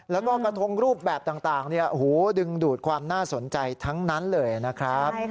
แล้วก็กระทงรูปแบบต่างดึงดูดความน่าสนใจทั้งนั้นเลยนะครับ